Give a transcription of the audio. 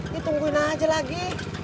ditungguin aja lagi